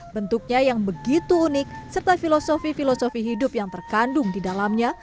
bentuknya yang begitu unik serta filosofi filosofi hidup yang terkandung di dalamnya